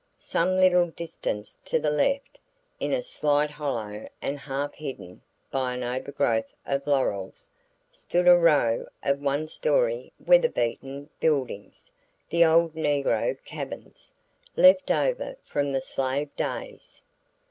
Some little distance to the left, in a slight hollow and half hidden by an overgrowth of laurels, stood a row of one story weather beaten buildings the old negro cabins, left over from the slave days.